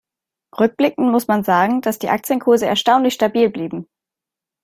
Rückblickend muss man sagen, dass die Aktienkurse erstaunlich stabil blieben.